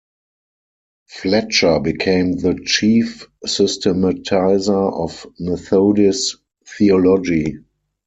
Fletcher became the chief systematizer of Methodist theology.